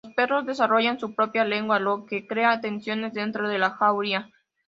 Los perros desarrollan su propia lengua, lo que crea tensiones dentro de la jauría.